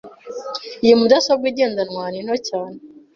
Iyi mudasobwa igendanwa ni nto cyane..